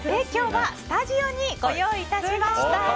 今日はスタジオにご用意しました。